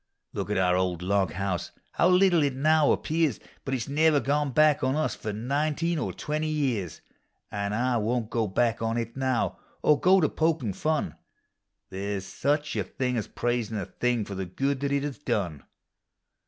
Look at our old log house— how little it now ap pears! lint it s never gone back on us for nineteen or twenty years; An' I won't go back on it now, or go to pokin' fun There 's such a thing as praisiu' a thing for the good that it has done.